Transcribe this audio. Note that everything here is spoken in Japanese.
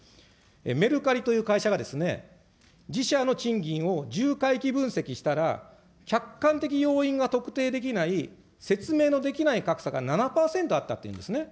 メルカリという会社が、自社の賃金をじゅうかいき分析したら、客観的要因が特定できない、説明のできない格差が７％あったというんですね。